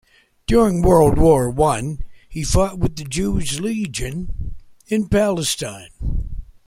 During World War One, he fought with the Jewish Legion in Palestine.